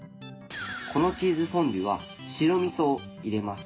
このチーズフォンデュは白味噌を入れます。